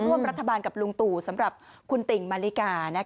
ร่วมรัฐบาลกับลุงตู่สำหรับคุณติ่งมาริกา